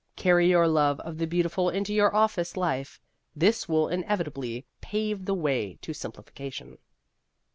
Carry your love of the beautiful into your office life. This will inevitably pave the way to simplification.